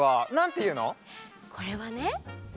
これはね。